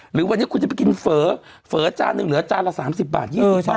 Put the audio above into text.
หรือวันนี้คุณจะไปกินเฝอจานหนึ่งเหลือจานละ๓๐บาท๒๐จาน